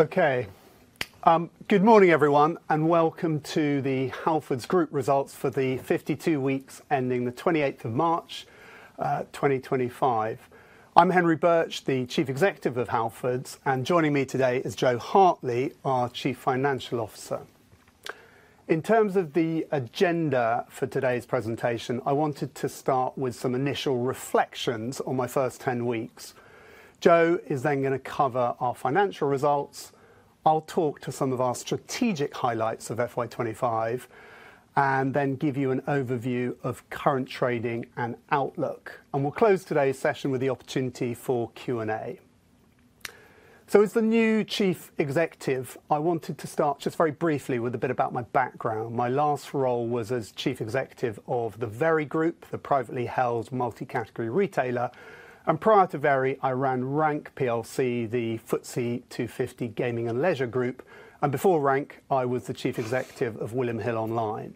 Okay. Good morning, everyone, and welcome to the Halfords Group results for the 52 weeks ending the 28th of March, 2025. I'm Henry Birch, the Chief Executive of Halfords, and joining me today is Joe Hartley, our Chief Financial Officer. In terms of the agenda for today's presentation, I wanted to start with some initial reflections on my first 10 weeks. Joe is then going to cover our financial results. I'll talk to some of our strategic highlights of FY25 and then give you an overview of current trading and outlook. We will close today's session with the opportunity for Q&A. As the new Chief Executive, I wanted to start just very briefly with a bit about my background. My last role was as Chief Executive of the Very Group, the privately held multi-category retailer. Prior to Very, I ran Rank Group, the FTSE 250 gaming and leisure group. Before Rank, I was the Chief Executive of William Hill Online.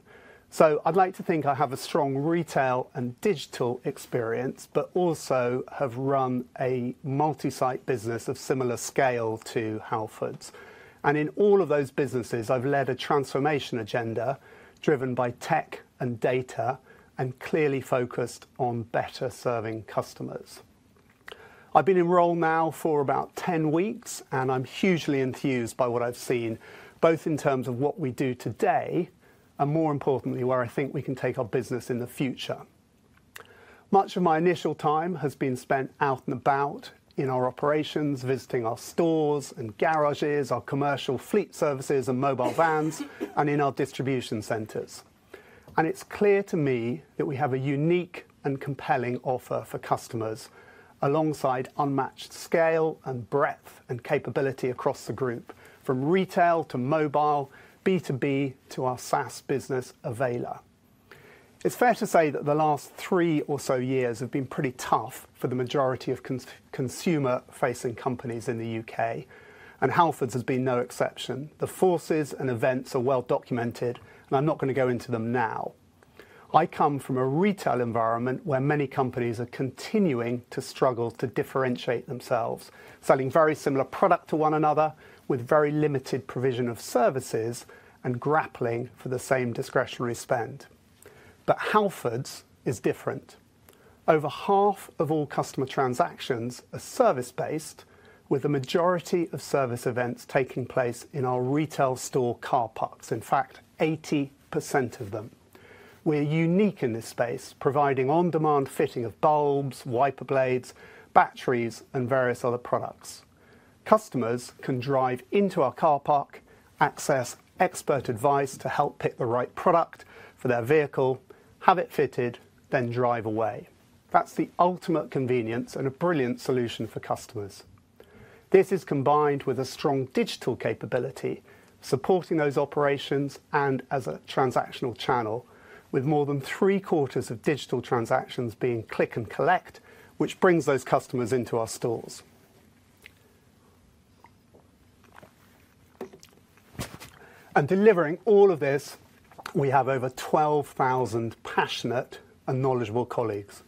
I like to think I have a strong retail and digital experience, but also have run a multi-site business of similar scale to Halfords. In all of those businesses, I have led a transformation agenda driven by tech and data and clearly focused on better serving customers. I have been in role now for about 10 weeks, and I am hugely enthused by what I have seen, both in terms of what we do today and, more importantly, where I think we can take our business in the future. Much of my initial time has been spent out and about in our operations, visiting our stores and garages, our commercial fleet services and mobile vans, and in our distribution centers. It is clear to me that we have a unique and compelling offer for customers alongside unmatched scale and breadth and capability across the group, from retail to mobile, B2B to our SaaS business Availor. It is fair to say that the last three or so years have been pretty tough for the majority of consumer-facing companies in the U.K., and Halfords has been no exception. The forces and events are well documented, and I am not going to go into them now. I come from a retail environment where many companies are continuing to struggle to differentiate themselves, selling very similar product to one another with very limited provision of services and grappling for the same discretionary spend. Halfords is different. Over half of all customer transactions are service-based, with the majority of service events taking place in our retail store car parks, in fact, 80% of them. We're unique in this space, providing on-demand fitting of bulbs, wiper blades, batteries, and various other products. Customers can drive into our car park, access expert advice to help pick the right product for their vehicle, have it fitted, then drive away. That's the ultimate convenience and a brilliant solution for customers. This is combined with a strong digital capability, supporting those operations and as a transactional channel, with more than three quarters of digital transactions being click and collect, which brings those customers into our stores. Delivering all of this, we have over 12,000 passionate and knowledgeable colleagues.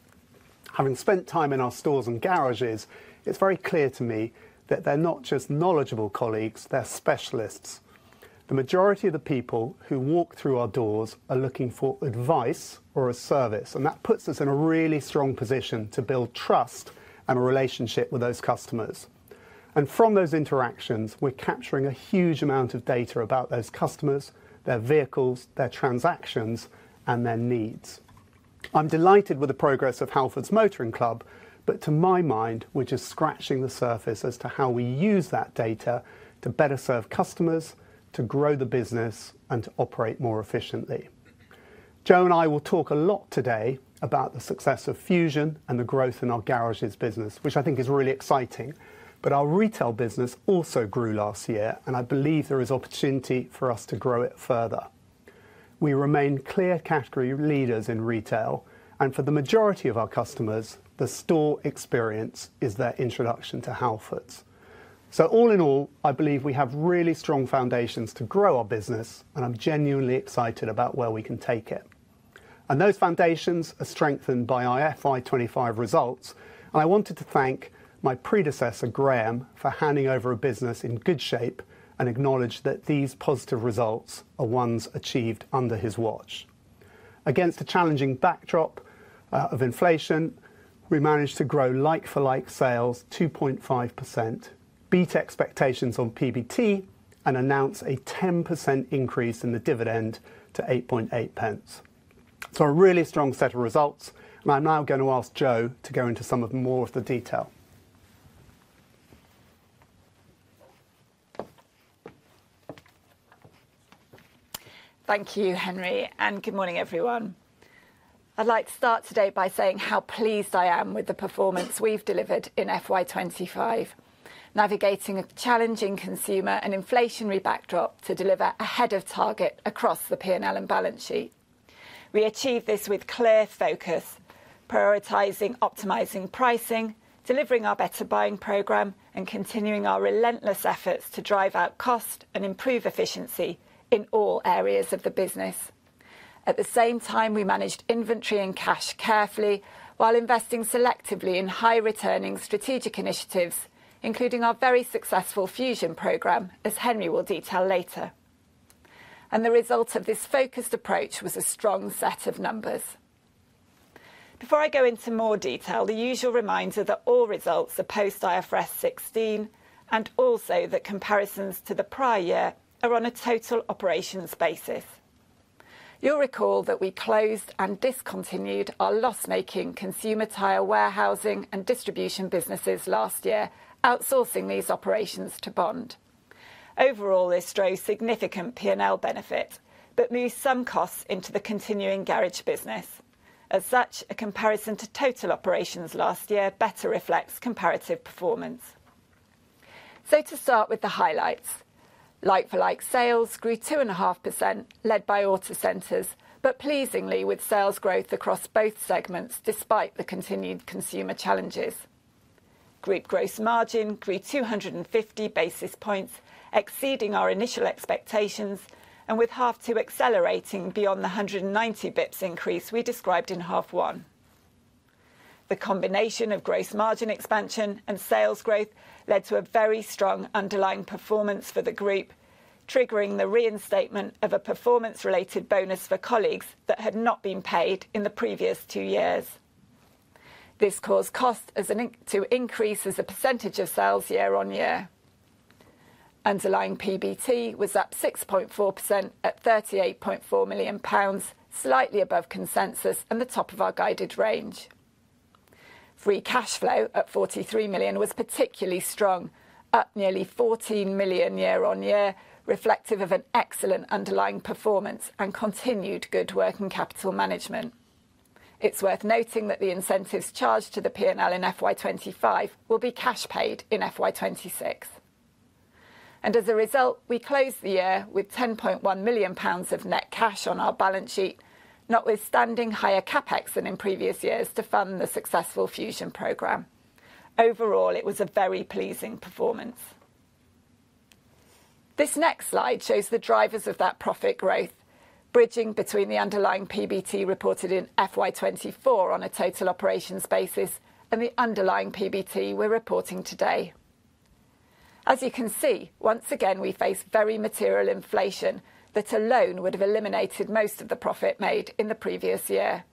Having spent time in our stores and garages, it's very clear to me that they're not just knowledgeable colleagues, they're specialists. The majority of the people who walk through our doors are looking for advice or a service, and that puts us in a really strong position to build trust and a relationship with those customers. From those interactions, we're capturing a huge amount of data about those customers, their vehicles, their transactions, and their needs. I'm delighted with the progress of Halfords Motoring Club, but to my mind, we're just scratching the surface as to how we use that data to better serve customers, to grow the business, and to operate more efficiently. Joe and I will talk a lot today about the success of Fusion and the growth in our garages business, which I think is really exciting. Our retail business also grew last year, and I believe there is opportunity for us to grow it further. We remain clear category leaders in retail, and for the majority of our customers, the store experience is their introduction to Halfords. All in all, I believe we have really strong foundations to grow our business, and I'm genuinely excited about where we can take it. Those foundations are strengthened by our FY25 results. I wanted to thank my predecessor, Graham, for handing over a business in good shape and acknowledge that these positive results are ones achieved under his watch. Against a challenging backdrop of inflation, we managed to grow like-for-like sales 2.5%, beat expectations on PBT, and announce a 10% increase in the dividend to 0.088. A really strong set of results, and I'm now going to ask Joe to go into some more of the detail. Thank you, Henry, and good morning, everyone. I'd like to start today by saying how pleased I am with the performance we've delivered in FY25, navigating a challenging consumer and inflationary backdrop to deliver ahead of target across the P&L and balance sheet. We achieved this with clear focus, prioritizing optimizing pricing, delivering our better buying program, and continuing our relentless efforts to drive out cost and improve efficiency in all areas of the business. At the same time, we managed inventory and cash carefully while investing selectively in high-returning strategic initiatives, including our very successful Fusion program, as Henry will detail later. The result of this focused approach was a strong set of numbers. Before I go into more detail, the usual reminder that all results are post-IFRS 16 and also that comparisons to the prior year are on a total operations basis. You'll recall that we closed and discontinued our loss-making consumer tire warehousing and distribution businesses last year, outsourcing these operations to Bond. Overall, this drove significant P&L benefit but moved some costs into the continuing garage business. As such, a comparison to total operations last year better reflects comparative performance. To start with the highlights, like-for-like sales grew 2.5%, led by Autocentres, but pleasingly with sales growth across both segments despite the continued consumer challenges. Group gross margin grew 250 basis points, exceeding our initial expectations, and with half two accelerating beyond the 190 basis points increase we described in half one. The combination of gross margin expansion and sales growth led to a very strong underlying performance for the group, triggering the reinstatement of a performance-related bonus for colleagues that had not been paid in the previous two years. This caused costs to increase as a percentage of sales year on year. Underlying PBT was up 6.4% at 38.4 million pounds, slightly above consensus and the top of our guided range. Free cash flow at 43 million was particularly strong, up nearly 14 million year on year, reflective of an excellent underlying performance and continued good working capital management. It is worth noting that the incentives charged to the P&L in FY25 will be cash paid in FY26. As a result, we closed the year with 10.1 million pounds of net cash on our balance sheet, notwithstanding higher CapEx than in previous years to fund the successful Fusion program. Overall, it was a very pleasing performance. This next slide shows the drivers of that profit growth, bridging between the underlying PBT reported in FY24 on a total operations basis and the underlying PBT we are reporting today. As you can see, once again, we face very material inflation that alone would have eliminated most of the profit made in the previous year.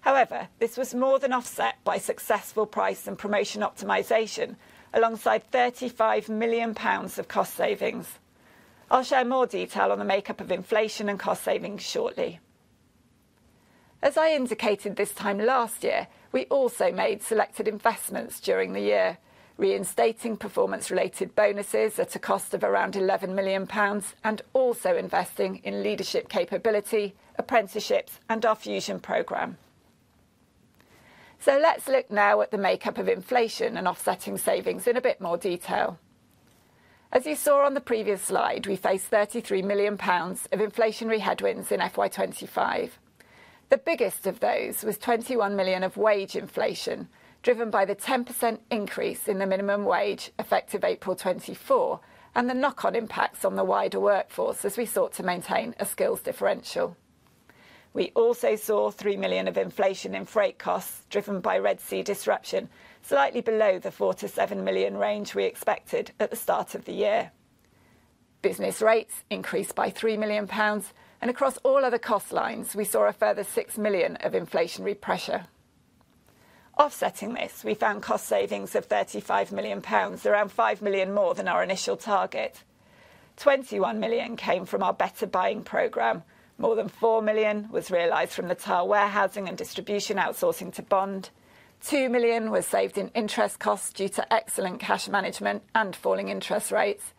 However, this was more than offset by successful price and promotion optimization alongside 35 million pounds of cost savings. I'll share more detail on the makeup of inflation and cost savings shortly. As I indicated this time last year, we also made selected investments during the year, reinstating performance-related bonuses at a cost of around 11 million pounds and also investing in leadership capability, apprenticeships, and our Fusion program. Let's look now at the makeup of inflation and offsetting savings in a bit more detail. As you saw on the previous slide, we faced 33 million pounds of inflationary headwinds in FY25. The biggest of those was 21 million of wage inflation, driven by the 10% increase in the minimum wage effective April 2024 and the knock-on impacts on the wider workforce as we sought to maintain a skills differential. We also saw 3 million of inflation in freight costs driven by Red Sea disruption, slightly below the 4-7 million range we expected at the start of the year. Business rates increased by 3 million pounds, and across all other cost lines, we saw a further 6 million of inflationary pressure. Offsetting this, we found cost savings of 35 million pounds, around 5 million more than our initial target. 21 million came from our better buying program. More than 4 million was realized from the tire warehousing and distribution outsourcing to Bond. 2 million was saved in interest costs due to excellent cash management and falling interest rates.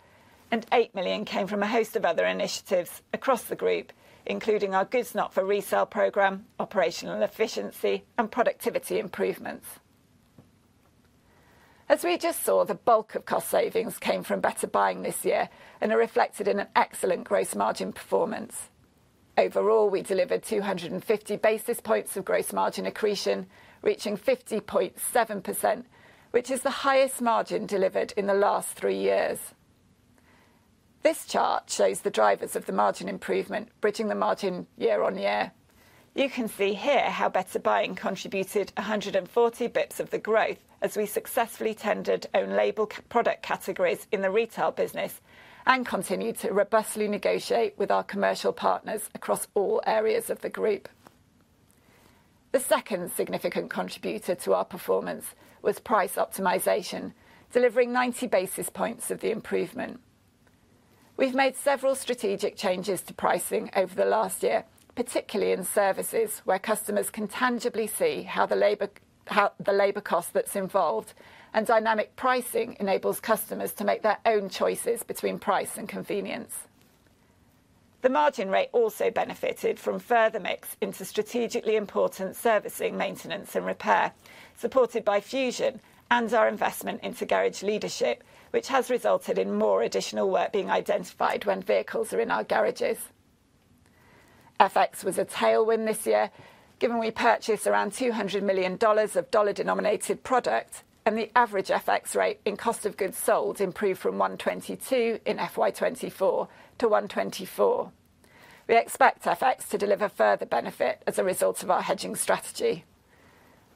£8 million came from a host of other initiatives across the group, including our Goods Not for Resale program, operational efficiency, and productivity improvements. As we just saw, the bulk of cost savings came from better buying this year and are reflected in an excellent gross margin performance. Overall, we delivered 250 basis points of gross margin accretion, reaching 50.7%, which is the highest margin delivered in the last three years. This chart shows the drivers of the margin improvement, bridging the margin year on year. You can see here how better buying contributed 140 basis points of the growth as we successfully tendered own-label product categories in the retail business and continued to robustly negotiate with our commercial partners across all areas of the group. The second significant contributor to our performance was price optimization, delivering 90 basis points of the improvement. We've made several strategic changes to pricing over the last year, particularly in services, where customers can tangibly see how the labor cost that's involved and dynamic pricing enables customers to make their own choices between price and convenience. The margin rate also benefited from further mix into strategically important servicing, maintenance, and repair, supported by Fusion and our investment into garage leadership, which has resulted in more additional work being identified when vehicles are in our garages. FX was a tailwind this year, given we purchased around $200 million of dollar-denominated product, and the average FX rate in cost of goods sold improved from 1.22 in FY2024 to 1.24. We expect FX to deliver further benefit as a result of our hedging strategy.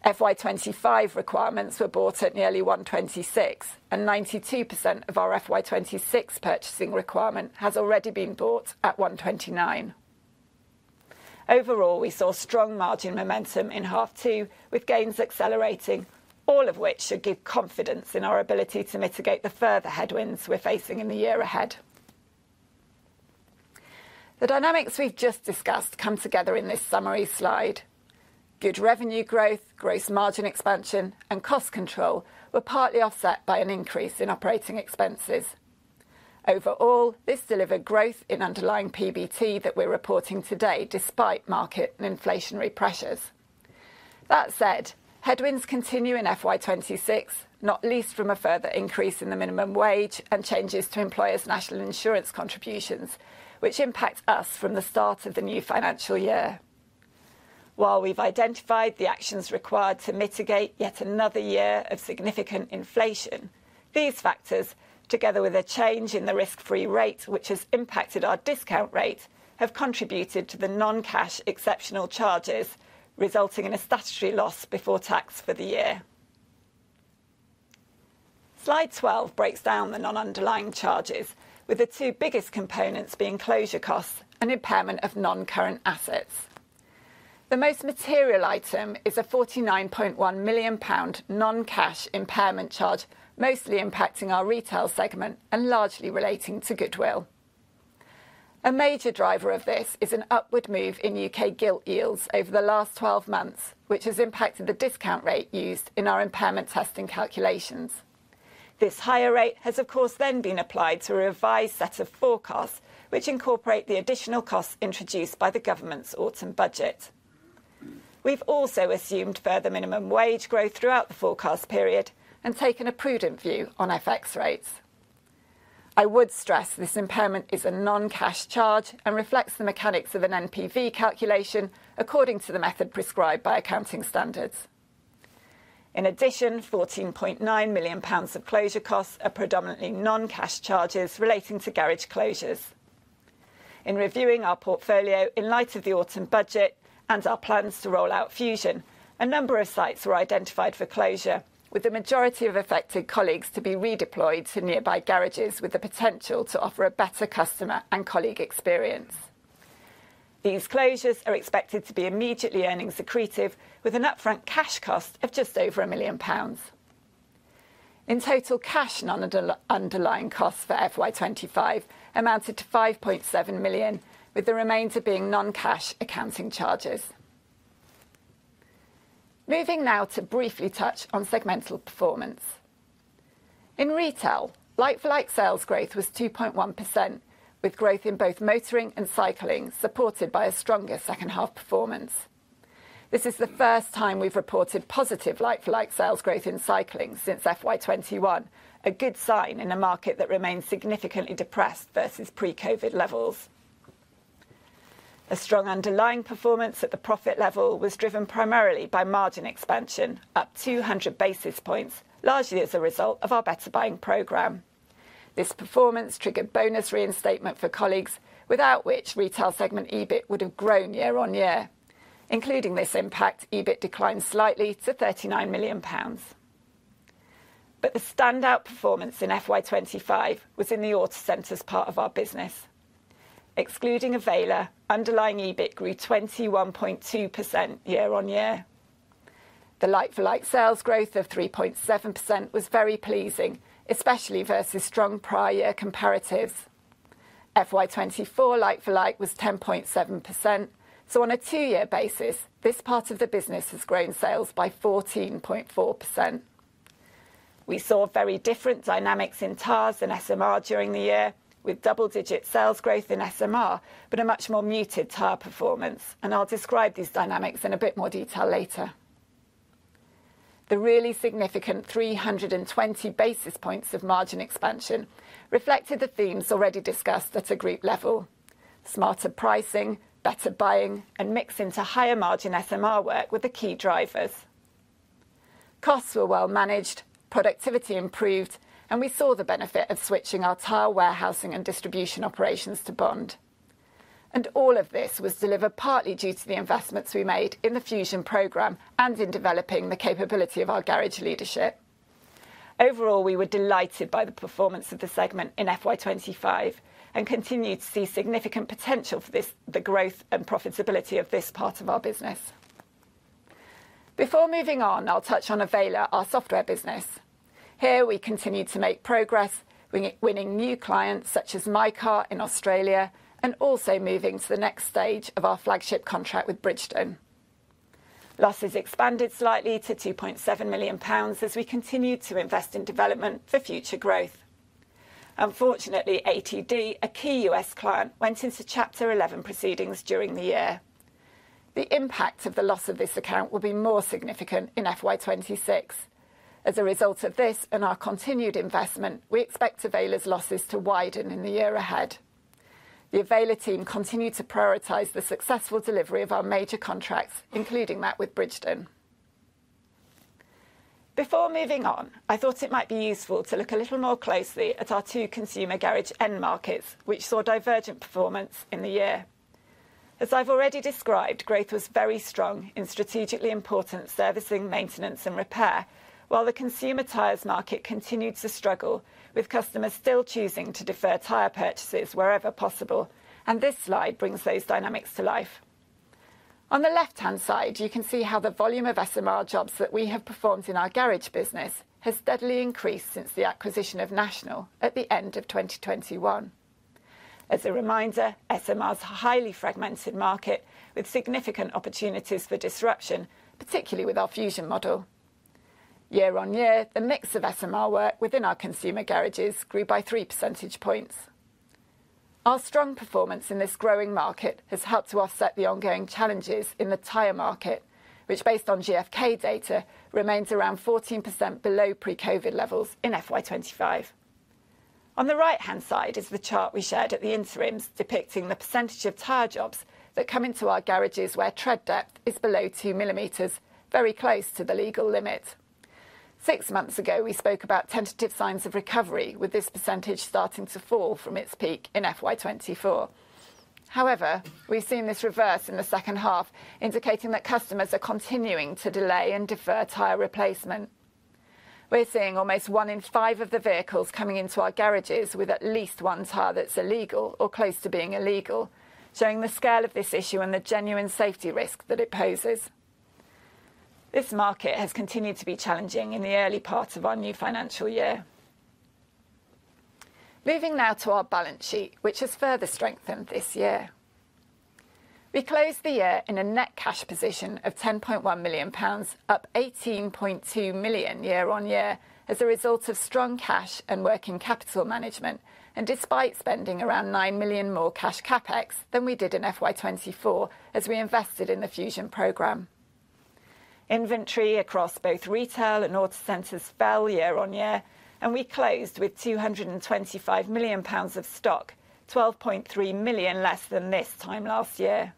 FY2025 requirements were bought at nearly 1.26, and 92% of our FY2026 purchasing requirement has already been bought at 1.29. Overall, we saw strong margin momentum in half two, with gains accelerating, all of which should give confidence in our ability to mitigate the further headwinds we are facing in the year ahead. The dynamics we have just discussed come together in this summary slide. Good revenue growth, gross margin expansion, and cost control were partly offset by an increase in operating expenses. Overall, this delivered growth in underlying PBT that we are reporting today, despite market and inflationary pressures. That said, headwinds continue in FY26, not least from a further increase in the minimum wage and changes to employers' national insurance contributions, which impact us from the start of the new financial year. While we've identified the actions required to mitigate yet another year of significant inflation, these factors, together with a change in the risk-free rate, which has impacted our discount rate, have contributed to the non-cash exceptional charges, resulting in a statutory loss before tax for the year. Slide 12 breaks down the non-underlying charges, with the two biggest components being closure costs and impairment of non-current assets. The most material item is a 49.1 million pound non-cash impairment charge, mostly impacting our retail segment and largely relating to Goodwill. A major driver of this is an upward move in U.K. gilt yields over the last 12 months, which has impacted the discount rate used in our impairment testing calculations. This higher rate has, of course, then been applied to a revised set of forecasts, which incorporate the additional costs introduced by the government's autumn budget. We've also assumed further minimum wage growth throughout the forecast period and taken a prudent view on FX rates. I would stress this impairment is a non-cash charge and reflects the mechanics of an NPV calculation according to the method prescribed by accounting standards. In addition, GBP 14.9 million of closure costs are predominantly non-cash charges relating to garage closures. In reviewing our portfolio in light of the autumn budget and our plans to roll out Fusion, a number of sites were identified for closure, with the majority of affected colleagues to be redeployed to nearby garages with the potential to offer a better customer and colleague experience. These closures are expected to be immediately earnings accretive, with an upfront cash cost of just over 1 million pounds. In total, cash non-underlying costs for FY25 amounted to 5.7 million, with the remainder being non-cash accounting charges. Moving now to briefly touch on segmental performance. In retail, like-for-like sales growth was 2.1%, with growth in both motoring and cycling supported by a stronger second half performance. This is the first time we've reported positive like-for-like sales growth in cycling since 2021, a good sign in a market that remains significantly depressed versus pre-COVID levels. A strong underlying performance at the profit level was driven primarily by margin expansion, up 200 basis points, largely as a result of our better buying program. This performance triggered bonus reinstatement for colleagues, without which retail segment EBIT would have grown year on year. Including this impact, EBIT declined slightly to 39 million pounds. The standout performance in 2025 was in the Autocentres part of our business. Excluding Availor, underlying EBIT grew 21.2% year on year. The like-for-like sales growth of 3.7% was very pleasing, especially versus strong prior year comparatives. FY24 like-for-like was 10.7%, so on a two-year basis, this part of the business has grown sales by 14.4%. We saw very different dynamics in tires and SMR during the year, with double-digit sales growth in SMR, but a much more muted tire performance, and I'll describe these dynamics in a bit more detail later. The really significant 320 basis points of margin expansion reflected the themes already discussed at a group level: smarter pricing, better buying, and mixing to higher margin SMR work were the key drivers. Costs were well managed, productivity improved, and we saw the benefit of switching our tire warehousing and distribution operations to Bond. All of this was delivered partly due to the investments we made in the Fusion program and in developing the capability of our garage leadership. Overall, we were delighted by the performance of the segment in FY25 and continue to see significant potential for the growth and profitability of this part of our business. Before moving on, I'll touch on Availor, our software business. Here we continue to make progress, winning new clients such as MyCar in Australia and also moving to the next stage of our flagship contract with Bridgestone. Losses expanded slightly to 2.7 million pounds as we continued to invest in development for future growth. Unfortunately, ATD, a key US client, went into Chapter 11 proceedings during the year. The impact of the loss of this account will be more significant in FY26. As a result of this and our continued investment, we expect Availor's losses to widen in the year ahead. The Availor team continued to prioritize the successful delivery of our major contracts, including that with Bridgestone. Before moving on, I thought it might be useful to look a little more closely at our two consumer garage end markets, which saw divergent performance in the year. As I have already described, growth was very strong in strategically important servicing, maintenance, and repair, while the consumer tires market continued to struggle with customers still choosing to defer tire purchases wherever possible, and this slide brings those dynamics to life. On the left-hand side, you can see how the volume of SMR jobs that we have performed in our garage business has steadily increased since the acquisition of National Tyres and Autocare at the end of 2021. As a reminder, SMR is a highly fragmented market with significant opportunities for disruption, particularly with our Fusion model. Year on year, the mix of SMR work within our consumer garages grew by 3 percentage points. Our strong performance in this growing market has helped to offset the ongoing challenges in the tire market, which, based on GFK data, remains around 14% below pre-COVID levels in FY25. On the right-hand side is the chart we shared at the interims, depicting the percentage of tire jobs that come into our garages where tread depth is below 2 millimeters, very close to the legal limit. Six months ago, we spoke about tentative signs of recovery, with this percentage starting to fall from its peak in FY24. However, we've seen this reverse in the second half, indicating that customers are continuing to delay and defer tire replacement. We're seeing almost one in five of the vehicles coming into our garages with at least one tire that's illegal or close to being illegal, showing the scale of this issue and the genuine safety risk that it poses. This market has continued to be challenging in the early part of our new financial year. Moving now to our balance sheet, which has further strengthened this year. We closed the year in a net cash position of 10.1 million pounds, up 18.2 million year on year as a result of strong cash and working capital management, and despite spending around 9 million more cash CapEx than we did in FY2024 as we invested in the Fusion program. Inventory across both retail and Autocentres fell year on year, and we closed with 225 million pounds of stock, 12.3 million less than this time last year.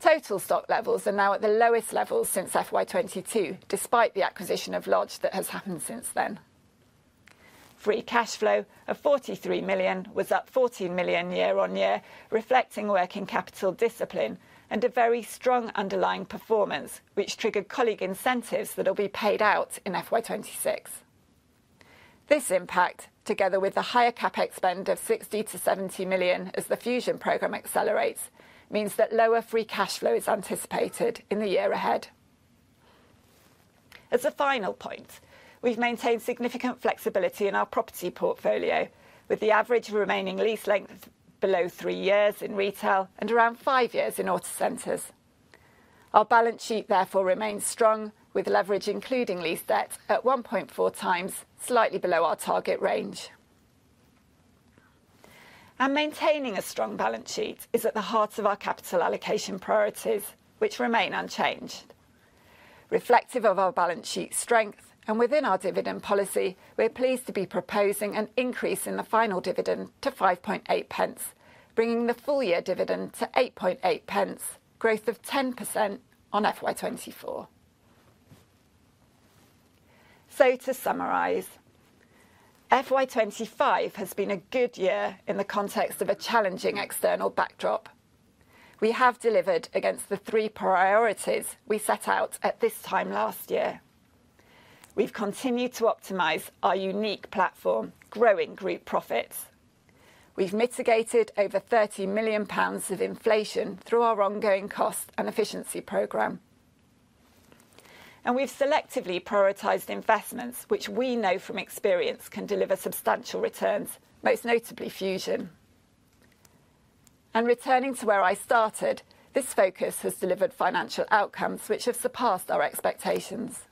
Total stock levels are now at the lowest level since FY2022, despite the acquisition of Lodge Service that has happened since then. Free cash flow of 43 million was up 14 million year on year, reflecting working capital discipline and a very strong underlying performance, which triggered colleague incentives that will be paid out in FY26. This impact, together with the higher CapEx spend of 60-70 million as the Fusion program accelerates, means that lower free cash flow is anticipated in the year ahead. As a final point, we have maintained significant flexibility in our property portfolio, with the average remaining lease length below three years in retail and around five years in Autocentres. Our balance sheet, therefore, remains strong, with leverage, including lease debt, at 1.4 times, slightly below our target range. Maintaining a strong balance sheet is at the heart of our capital allocation priorities, which remain unchanged. Reflective of our balance sheet strength and within our dividend policy, we're pleased to be proposing an increase in the final dividend to 5.8, bringing the full year dividend to 8.8, growth of 10% on FY 2024. To summarise, FY 2025 has been a good year in the context of a challenging external backdrop. We have delivered against the three priorities we set out at this time last year. We've continued to optimize our unique platform, growing group profits. We've mitigated over 30 million pounds of inflation through our ongoing cost and efficiency program. We've selectively prioritized investments which we know from experience can deliver substantial returns, most notably Fusion. Returning to where I started, this focus has delivered financial outcomes which have surpassed our expectations.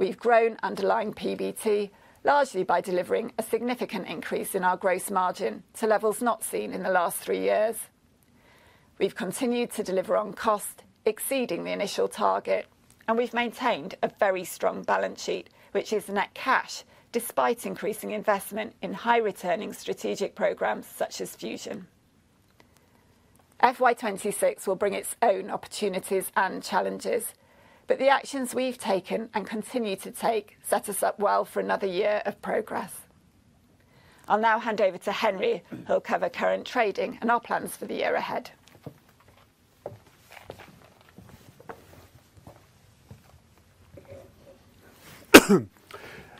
We've grown underlying PBT largely by delivering a significant increase in our gross margin to levels not seen in the last three years. We've continued to deliver on cost, exceeding the initial target, and we've maintained a very strong balance sheet, which is net cash despite increasing investment in high-returning strategic programs such as Fusion. FY26 will bring its own opportunities and challenges, but the actions we've taken and continue to take set us up well for another year of progress. I'll now hand over to Henry, who'll cover current trading and our plans for the year ahead.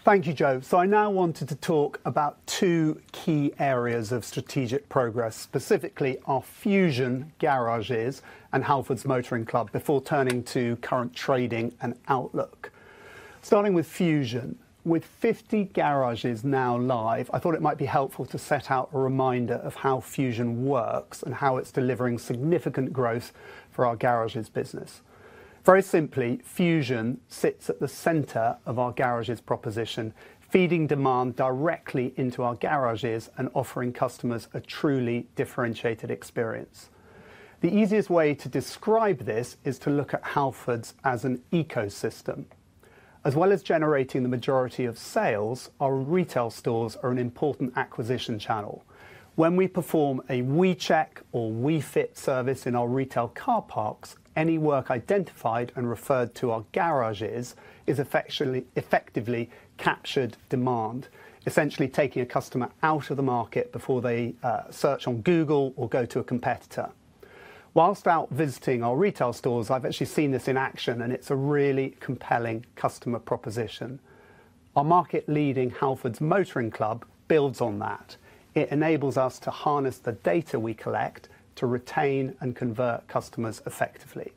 Thank you, Joe. I now wanted to talk about two key areas of strategic progress, specifically our Fusion garages and Halfords Motoring Club, before turning to current trading and outlook. Starting with Fusion, with 50 garages now live, I thought it might be helpful to set out a reminder of how Fusion works and how it's delivering significant growth for our garages business. Very simply, Fusion sits at the center of our garages proposition, feeding demand directly into our garages and offering customers a truly differentiated experience. The easiest way to describe this is to look at Halfords as an ecosystem. As well as generating the majority of sales, our retail stores are an important acquisition channel. When we perform a WeCheck or WeFit service in our retail car parks, any work identified and referred to our garages is effectively captured demand, essentially taking a customer out of the market before they search on Google or go to a competitor. Whilst out visiting our retail stores, I've actually seen this in action, and it's a really compelling customer proposition. Our market-leading Halfords Motoring Club builds on that. It enables us to harness the data we collect to retain and convert customers effectively.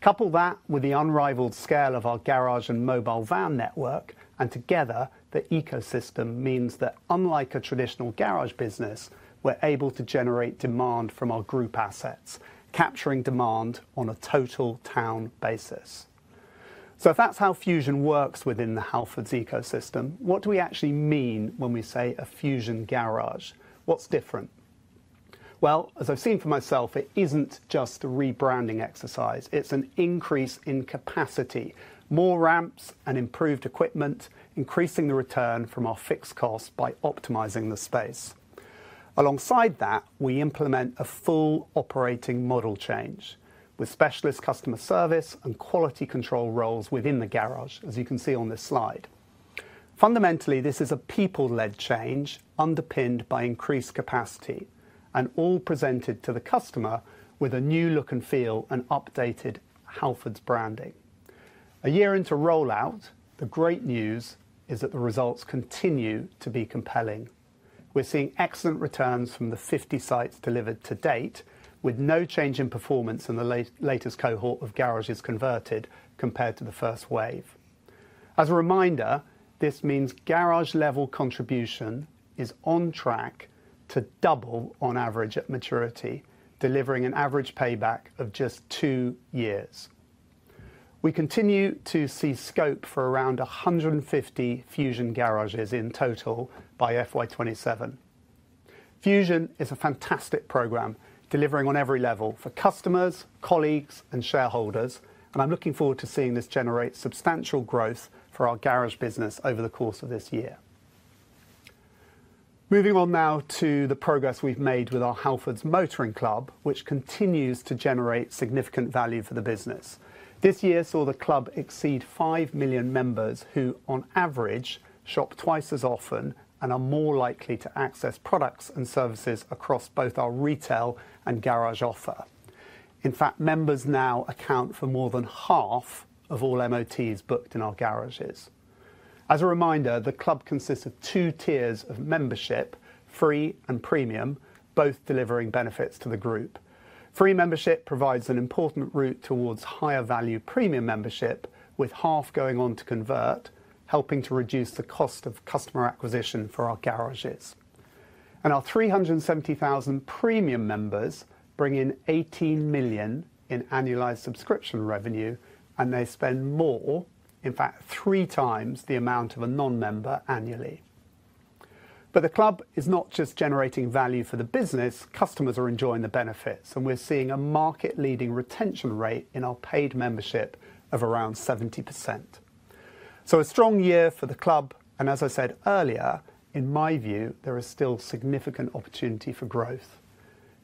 Couple that with the unrivaled scale of our garage and mobile van network, and together, the ecosystem means that, unlike a traditional garage business, we're able to generate demand from our group assets, capturing demand on a total town basis. If that's how Fusion works within the Halfords ecosystem, what do we actually mean when we say a Fusion garage? What's different? As I've seen for myself, it isn't just a rebranding exercise. It's an increase in capacity, more ramps and improved equipment, increasing the return from our fixed costs by optimizing the space. Alongside that, we implement a full operating model change with specialist customer service and quality control roles within the garage, as you can see on this slide. Fundamentally, this is a people-led change underpinned by increased capacity and all presented to the customer with a new look and feel and updated Halfords branding. A year into rollout, the great news is that the results continue to be compelling. We're seeing excellent returns from the 50 sites delivered to date, with no change in performance in the latest cohort of garages converted compared to the first wave. As a reminder, this means garage-level contribution is on track to double on average at maturity, delivering an average payback of just two years. We continue to see scope for around 150 Fusion garages in total by FY 2027. Fusion is a fantastic program, delivering on every level for customers, colleagues, and shareholders, and I'm looking forward to seeing this generate substantial growth for our garage business over the course of this year. Moving on now to the progress we've made with our Halfords Motoring Club, which continues to generate significant value for the business. This year saw the club exceed 5 million members who, on average, shop twice as often and are more likely to access products and services across both our retail and garage offer. In fact, members now account for more than half of all MOTs booked in our garages. As a reminder, the club consists of two tiers of membership, free and premium, both delivering benefits to the group. Free membership provides an important route towards higher-value premium membership, with half going on to convert, helping to reduce the cost of customer acquisition for our garages. Our 370,000 premium members bring in 18 million in annualized subscription revenue, and they spend more, in fact, three times the amount of a non-member annually. The club is not just generating value for the business; customers are enjoying the benefits, and we're seeing a market-leading retention rate in our paid membership of around 70%. A strong year for the club, and as I said earlier, in my view, there is still significant opportunity for growth.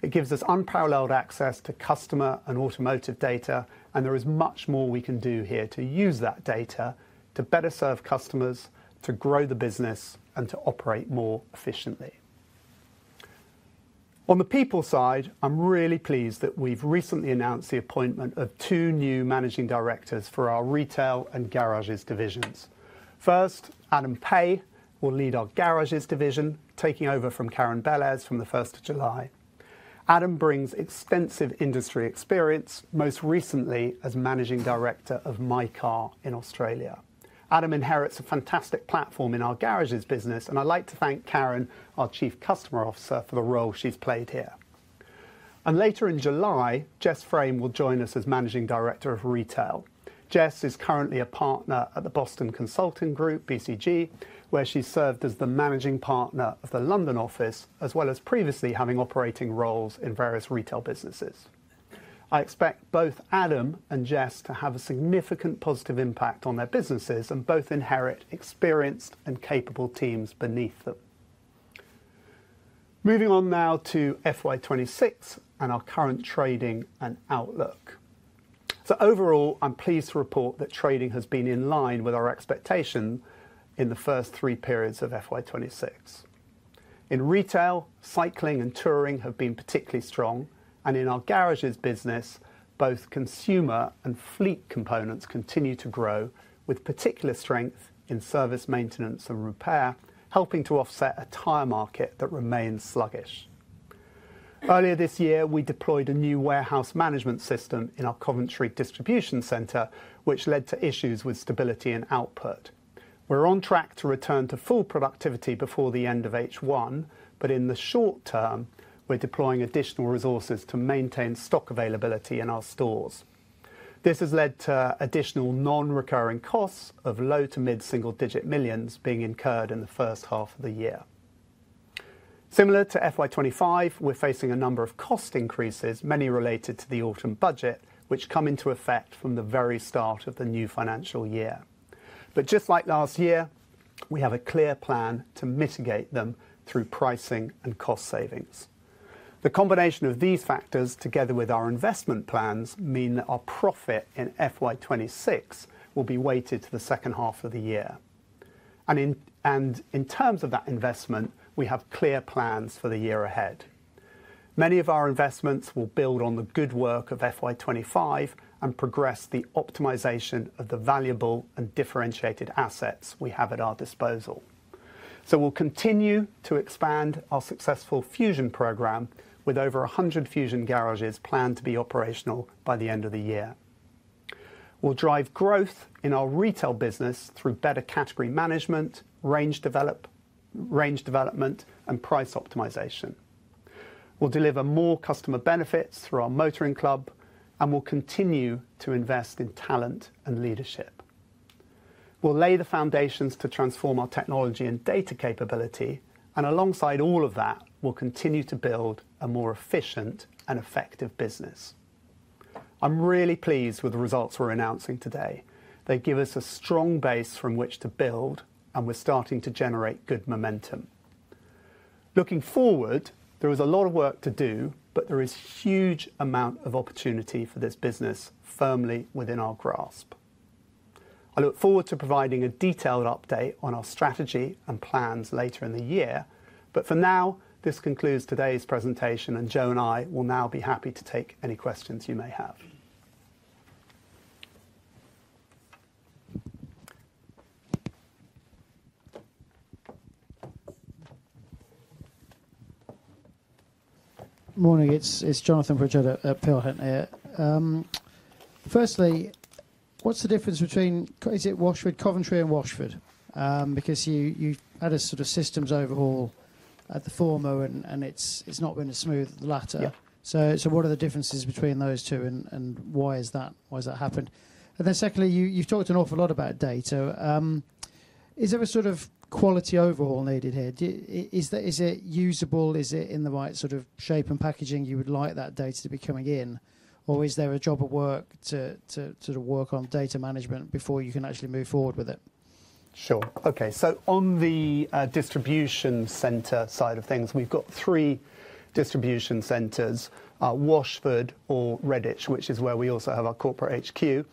It gives us unparalleled access to customer and automotive data, and there is much more we can do here to use that data to better serve customers, to grow the business, and to operate more efficiently. On the people side, I'm really pleased that we've recently announced the appointment of two new Managing Directors for our retail and garages divisions. First, Adam Pay will lead our garages division, taking over from Karen Bellairs from the 1st of July. Adam brings extensive industry experience, most recently as Managing Director of MyCar in Australia. Adam inherits a fantastic platform in our garages business, and I'd like to thank Karen, our Chief Customer Officer, for the role she's played here. Later in July, Jess Frame will join us as Managing Director of Retail. Jess is currently a partner at the Boston Consulting Group, BCG, where she's served as the managing partner of the London office, as well as previously having operating roles in various retail businesses. I expect both Adam and Jess to have a significant positive impact on their businesses and both inherit experienced and capable teams beneath them. Moving on now to FY26 and our current trading and outlook. Overall, I'm pleased to report that trading has been in line with our expectation in the first three periods of FY26. In retail, cycling and touring have been particularly strong, and in our garages business, both consumer and fleet components continue to grow, with particular strength in service maintenance and repair, helping to offset a tire market that remains sluggish. Earlier this year, we deployed a new warehouse management system in our Coventry Distribution Centre, which led to issues with stability and output. We're on track to return to full productivity before the end of H1, but in the short term, we're deploying additional resources to maintain stock availability in our stores. This has led to additional non-recurring costs of low- to mid-single-digit millions being incurred in the first half of the year. Similar to FY25, we're facing a number of cost increases, many related to the autumn budget, which come into effect from the very start of the new financial year. Just like last year, we have a clear plan to mitigate them through pricing and cost savings. The combination of these factors, together with our investment plans, means that our profit in FY26 will be weighted to the second half of the year. In terms of that investment, we have clear plans for the year ahead. Many of our investments will build on the good work of FY25 and progress the optimization of the valuable and differentiated assets we have at our disposal. We'll continue to expand our successful Fusion program with over 100 Fusion garages planned to be operational by the end of the year. We'll drive growth in our retail business through better category management, range development, and price optimization. We'll deliver more customer benefits through our Motoring Club, and we'll continue to invest in talent and leadership. We'll lay the foundations to transform our technology and data capability, and alongside all of that, we'll continue to build a more efficient and effective business. I'm really pleased with the results we're announcing today. They give us a strong base from which to build, and we're starting to generate good momentum. Looking forward, there is a lot of work to do, but there is a huge amount of opportunity for this business firmly within our grasp. I look forward to providing a detailed update on our strategy and plans later in the year, but for now, this concludes today's presentation, and Joe and I will now be happy to take any questions you may have. Morning, it's Jonathan Pritchard at Peel Hunt here. Firstly, what's the difference between, is it Washford, Coventry, and Washford? Because you had a sort of systems overhaul at the former, and it's not been as smooth at the latter. What are the differences between those two, and why has that happened? Secondly, you've talked an awful lot about data. Is there a sort of quality overhaul needed here? Is it usable? Is it in the right sort of shape and packaging you would like that data to be coming in? Or is there a job of work to sort of work on data management before you can actually move forward with it? Sure. Okay, on the distribution centre side of things, we've got three distribution centres, Washford or Redditch, which is where we also have our corporate HQ.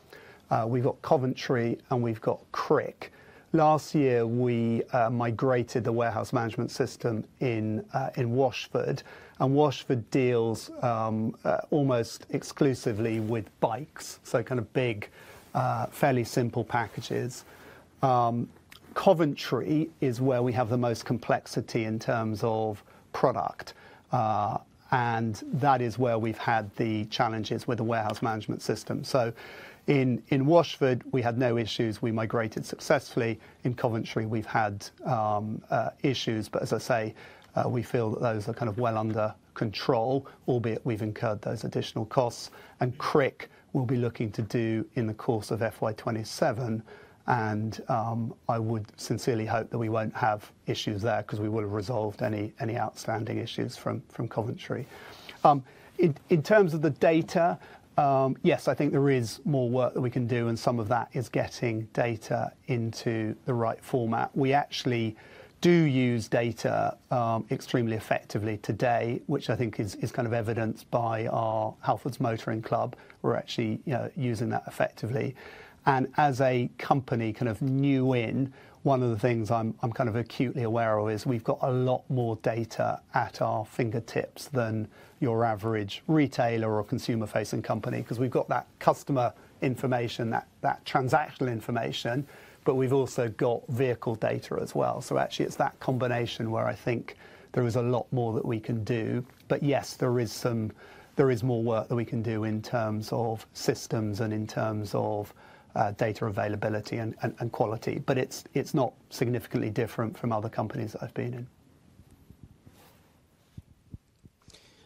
We've got Coventry, and we've got Crick. Last year, we migrated the warehouse management system in Washford, and Washford deals almost exclusively with bikes, so kind of big, fairly simple packages. Coventry is where we have the most complexity in terms of product, and that is where we have had the challenges with the warehouse management system. In Washford, we had no issues. We migrated successfully. In Coventry, we have had issues, but as I say, we feel that those are kind of well under control, albeit we have incurred those additional costs. Crick, we will be looking to do in the course of FY2027, and I would sincerely hope that we will not have issues there because we would have resolved any outstanding issues from Coventry. In terms of the data, yes, I think there is more work that we can do, and some of that is getting data into the right format. We actually do use data extremely effectively today, which I think is kind of evidenced by our Halfords Motoring Club. We're actually using that effectively. As a company kind of new in, one of the things I'm kind of acutely aware of is we've got a lot more data at our fingertips than your average retailer or consumer-facing company because we've got that customer information, that transactional information, but we've also got vehicle data as well. Actually, it's that combination where I think there is a lot more that we can do. Yes, there is more work that we can do in terms of systems and in terms of data availability and quality, but it's not significantly different from other companies that I've been in.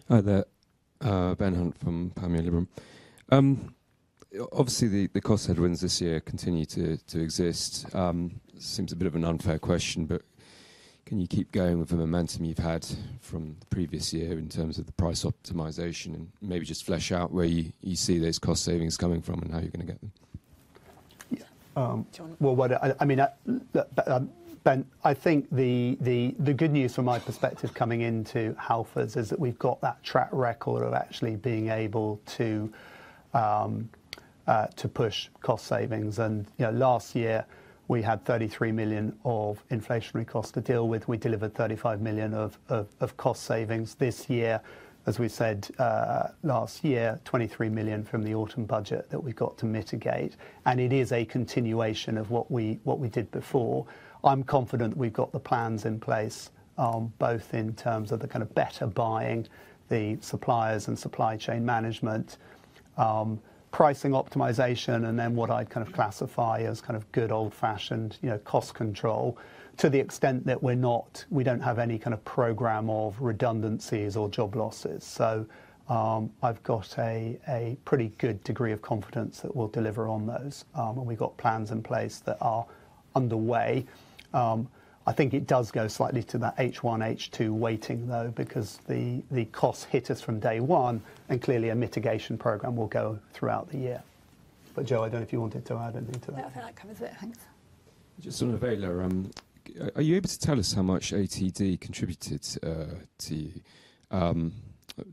Ben Hunt from Peel Hunt. Obviously, the cost headwinds this year continue to exist. Seems a bit of an unfair question, but can you keep going with the momentum you've had from the previous year in terms of the price optimization and maybe just flesh out where you see those cost savings coming from and how you're going to get them? I mean, Ben, I think the good news from my perspective coming into Halfords is that we've got that track record of actually being able to push cost savings. Last year, we had 33 million of inflationary costs to deal with. We delivered 35 million of cost savings this year, as we said last year, 23 million from the autumn budget that we got to mitigate. It is a continuation of what we did before. I'm confident that we've got the plans in place, both in terms of the kind of better buying, the suppliers and supply chain management, pricing optimization, and then what I kind of classify as kind of good old-fashioned cost control to the extent that we don't have any kind of program of redundancies or job losses. I've got a pretty good degree of confidence that we'll deliver on those, and we've got plans in place that are underway. I think it does go slightly to that H1, H2 weighting, though, because the costs hit us from day one, and clearly a mitigation program will go throughout the year. Joe, I don't know if you wanted to add anything to that. No, I think that covers it. Thanks. Just on Availor, are you able to tell us how much ATD contributed to you?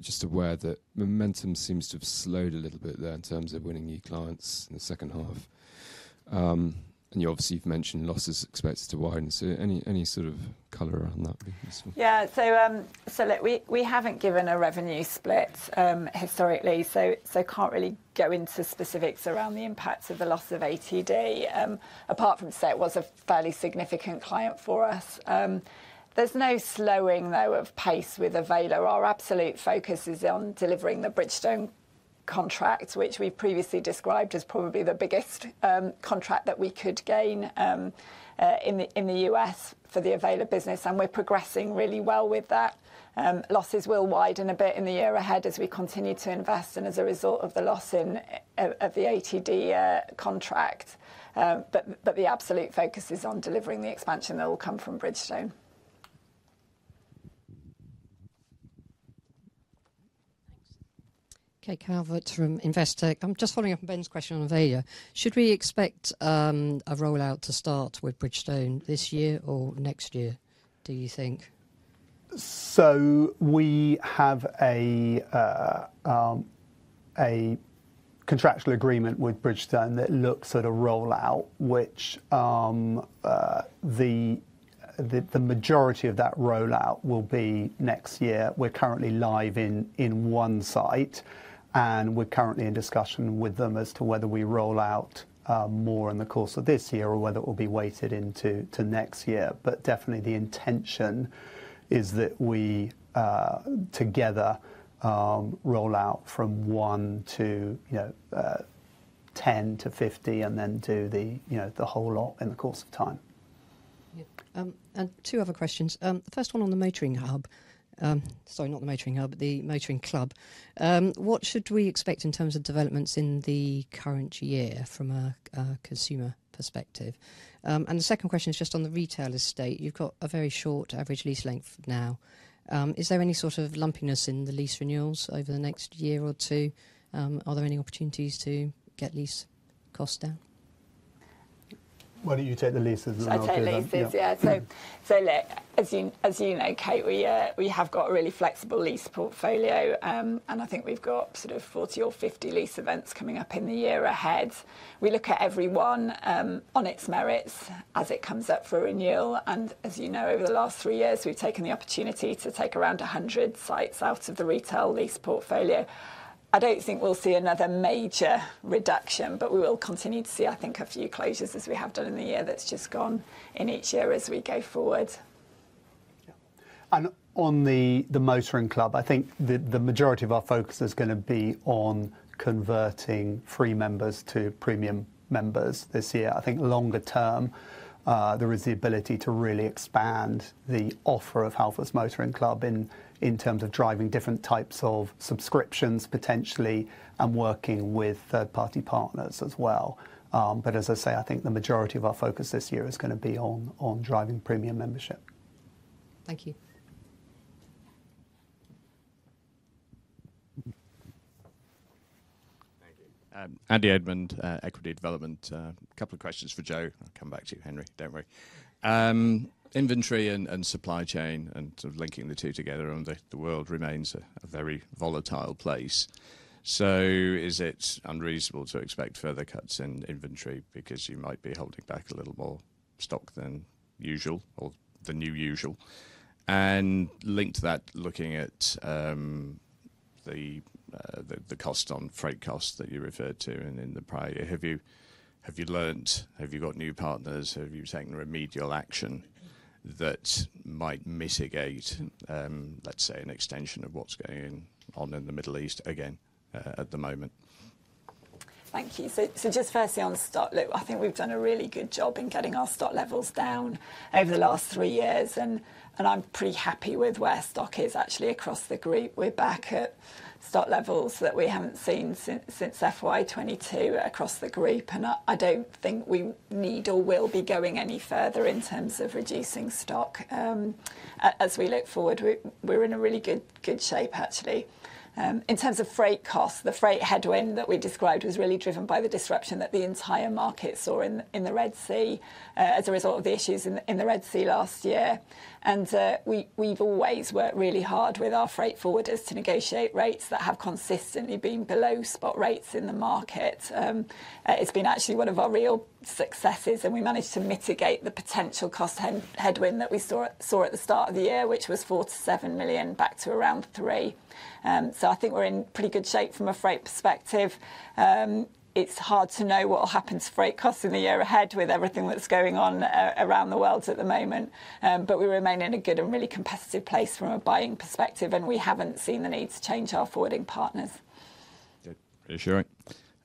Just aware that momentum seems to have slowed a little bit there in terms of winning new clients in the second half. You obviously have mentioned losses expected to widen. Any sort of color around that? Yeah, look, we have not given a revenue split historically, so cannot really go into specifics around the impacts of the loss of ATD, apart from saying it was a fairly significant client for us. There is no slowing, though, of pace with Availor. Our absolute focus is on delivering the Bridgestone contract, which we previously described as probably the biggest contract that we could gain in the U.S. for the Availor business, and we are progressing really well with that. Losses will widen a bit in the year ahead as we continue to invest and as a result of the loss of the ATD contract. But the absolute focus is on delivering the expansion that will come from Bridgestone. Okay, Calvert from Investor. I'm just following up on Ben's question on Availor. Should we expect a rollout to start with Bridgestone this year or next year, do you think? We have a contractual agreement with Bridgestone that looks at a rollout, which the majority of that rollout will be next year. We're currently live in one site, and we're currently in discussion with them as to whether we roll out more in the course of this year or whether it will be weighted into next year. Definitely, the intention is that we together roll out from one to 10 to 50 and then do the whole lot in the course of time. Two other questions. The first one on the Motoring Hub, sorry, not the Motoring Hub, the Motoring Club. What should we expect in terms of developments in the current year from a consumer perspective? The second question is just on the retailer state. You have got a very short average lease length now. Is there any sort of lumpiness in the lease renewals over the next year or two? Are there any opportunities to get lease costs down? Why do you not take the leases and I will take the leases? Yeah, look, as you know, Kate, we have got a really flexible lease portfolio, and I think we have got sort of 40 or 50 lease events coming up in the year ahead. We look at every one on its merits as it comes up for renewal. As you know, over the last three years, we have taken the opportunity to take around 100 sites out of the retail lease portfolio. I do not think we will see another major reduction, but we will continue to see, I think, a few closures as we have done in the year that has just gone in each year as we go forward. On the Motoring Club, I think the majority of our focus is going to be on converting free members to premium members this year. I think longer term, there is the ability to really expand the offer of Halfords Motoring Club in terms of driving different types of subscriptions potentially and working with third-party partners as well. As I say, I think the majority of our focus this year is going to be on driving premium membership. Thank you. Thank you. Andy Edmond, Equity Development. A couple of questions for Joe. I will come back to you, Henry. Do not worry. Inventory and supply chain and sort of linking the two together, the world remains a very volatile place. Is it unreasonable to expect further cuts in inventory because you might be holding back a little more stock than usual or the new usual? Linked to that, looking at the cost on freight costs that you referred to in the prior, have you learned? Have you got new partners? Have you taken remedial action that might mitigate, let's say, an extension of what's going on in the Middle East again at the moment? Thank you. Just firstly, on stock, look, I think we've done a really good job in getting our stock levels down over the last three years, and I'm pretty happy with where stock is actually across the group. We're back at stock levels that we haven't seen since FY22 across the group, and I don't think we need or will be going any further in terms of reducing stock as we look forward. We're in a really good shape, actually. In terms of freight costs, the freight headwind that we described was really driven by the disruption that the entire market saw in the Red Sea as a result of the issues in the Red Sea last year. We've always worked really hard with our freight forwarders to negotiate rates that have consistently been below spot rates in the market. It's been actually one of our real successes, and we managed to mitigate the potential cost headwind that we saw at the start of the year, which was 4 million-7 million back to around 3 million. I think we're in pretty good shape from a freight perspective. It's hard to know what will happen to freight costs in the year ahead with everything that's going on around the world at the moment, but we remain in a good and really competitive place from a buying perspective, and we haven't seen the need to change our forwarding partners. Good. Reassuring.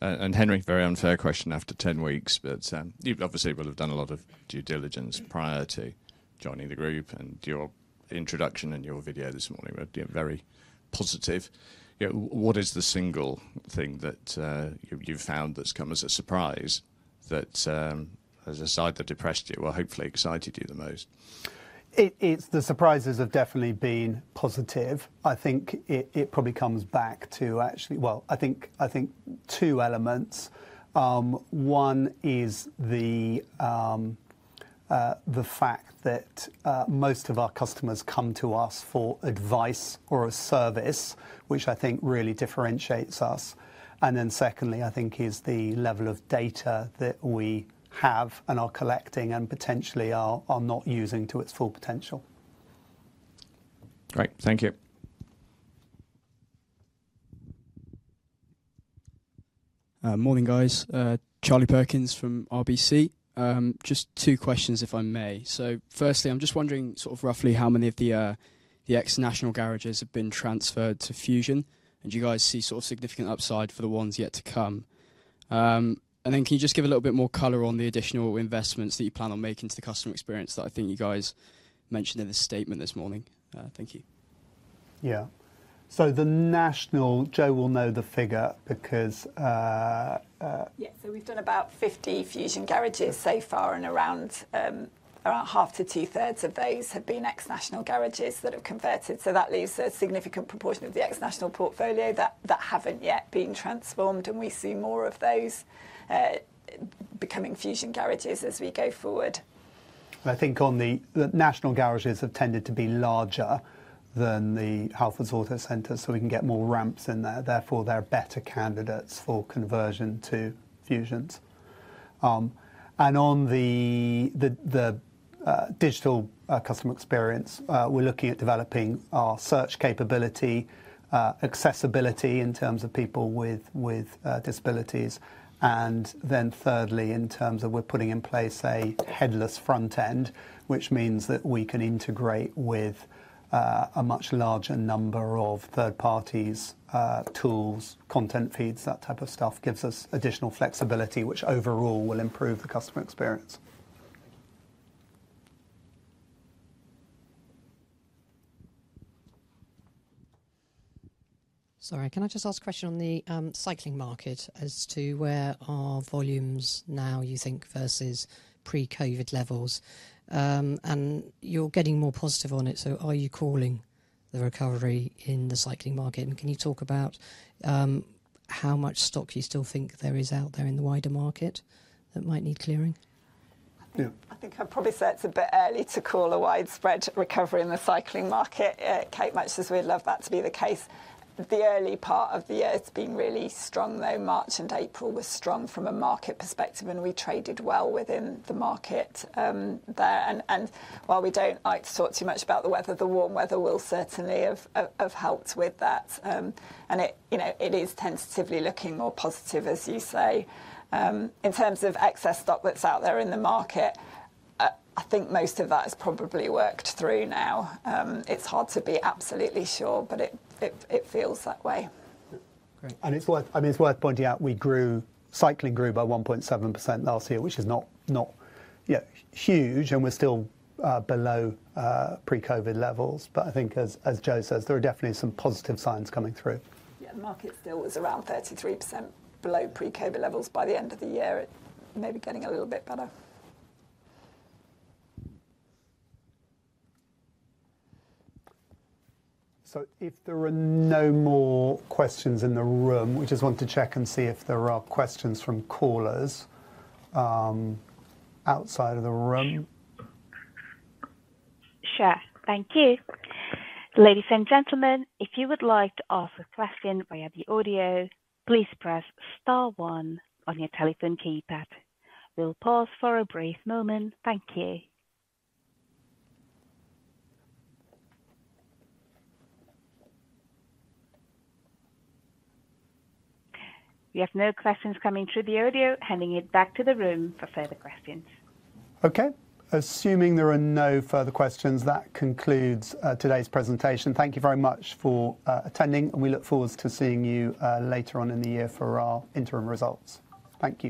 Henry, very unfair question after 10 weeks, but you've obviously done a lot of due diligence prior to joining the group, and your introduction and your video this morning were very positive. What is the single thing that you've found that's come as a surprise that, as a side that depressed you, well, hopefully excited you the most? The surprises have definitely been positive. I think it probably comes back to actually, well, I think two elements. One is the fact that most of our customers come to us for advice or a service, which I think really differentiates us. Secondly, I think is the level of data that we have and are collecting and potentially are not using to its full potential. Great. Thank you. Morning, guys. Charlie Perkins from RBC. Just two questions, if I may. Firstly, I am just wondering sort of roughly how many of the ex-National Garages have been transferred to Fusion, and do you guys see significant upside for the ones yet to come? Can you just give a little bit more color on the additional investments that you plan on making to the customer experience that I think you guys mentioned in the statement this morning? Thank you. Yeah. The national, Joe will know the figure because yeah, we have done about 50 Fusion garages so far, and around half to two-thirds of those have been ex-National garages that have converted. That leaves a significant proportion of the ex-National portfolio that have not yet been transformed, and we see more of those becoming Fusion garages as we go forward. I think the National garages have tended to be larger than the Halfords Autocentres, so we can get more ramps in there. Therefore, they are better candidates for conversion to Fusions. On the digital customer experience, we are looking at developing our search capability, accessibility in terms of people with disabilities. Thirdly, in terms of we're putting in place a headless front end, which means that we can integrate with a much larger number of third parties, tools, content feeds, that type of stuff gives us additional flexibility, which overall will improve the customer experience. Sorry, can I just ask a question on the cycling market as to where are volumes now, you think, versus pre-COVID levels? You're getting more positive on it, so are you calling the recovery in the cycling market? Can you talk about how much stock you still think there is out there in the wider market that might need clearing? I think I probably said it's a bit early to call a widespread recovery in the cycling market, Kate, much as we'd love that to be the case. The early part of the year has been really strong, though March and April were strong from a market perspective, and we traded well within the market there. While we do not like to talk too much about the weather, the warm weather will certainly have helped with that. It is tentatively looking more positive, as you say. In terms of excess stock that is out there in the market, I think most of that has probably worked through now. It is hard to be absolutely sure, but it feels that way. Great. I mean, it is worth pointing out we grew, cycling grew by 1.7% last year, which is not huge, and we are still below pre-COVID levels. I think, as Joe says, there are definitely some positive signs coming through. Yeah, the market still was around 33% below pre-COVID levels by the end of the year. It may be getting a little bit better. If there are no more questions in the room, we just want to check and see if there are questions from callers outside of the room. Sure. Thank you. Ladies and gentlemen, if you would like to ask a question via the audio, please press star one on your telephone keypad. We'll pause for a brief moment. Thank you. We have no questions coming through the audio. Handing it back to the room for further questions. Okay. Assuming there are no further questions, that concludes today's presentation. Thank you very much for attending, and we look forward to seeing you later on in the year for our interim results. Thank you.